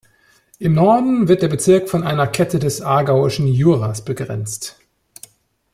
Im Norden wird der Bezirk von einer Kette des aargauischen Juras begrenzt.